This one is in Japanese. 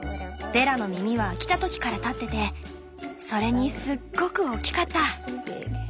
ベラの耳は来た時から立っててそれにすっごく大きかった。